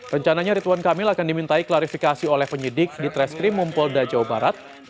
rencananya rituan kamil akan dimintai klarifikasi oleh penyidik di treskrim mumpolda jawa barat